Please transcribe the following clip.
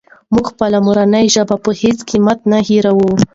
موږ خپله مورنۍ ژبه په هېڅ قیمت نه هېروو.